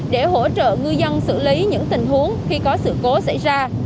để hỗ trợ ngư dân xử lý những tình huống khi có sự cố xảy ra